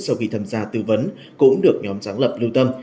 sau khi tham gia tư vấn cũng được nhóm sáng lập lưu tâm